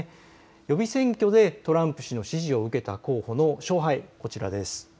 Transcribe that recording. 予備選挙でトランプ氏の支持を受けた候補の勝敗、こちらです。